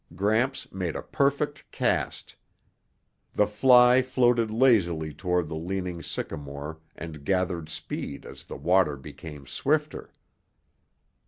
Gramps made a perfect cast. The fly floated lazily toward the leaning sycamore and gathered speed as the water became swifter.